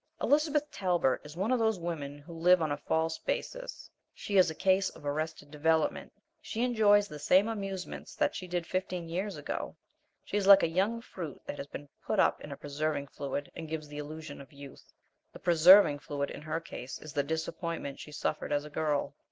Elizabeth Talbert is one of those women who live on a false basis. She is a case of arrested development. She enjoys the same amusements that she did fifteen years ago. She is like a young fruit that has been put up in a preserving fluid and gives the illusion of youth; the preserving fluid in her case is the disappointment she suffered as a girl.